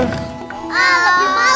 ah lebih males